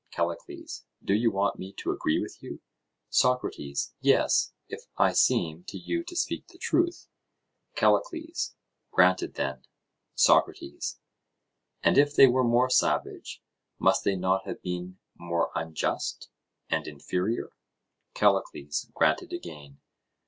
CALLICLES: Do you want me to agree with you? SOCRATES: Yes, if I seem to you to speak the truth. CALLICLES: Granted then. SOCRATES: And if they were more savage, must they not have been more unjust and inferior? CALLICLES: Granted again.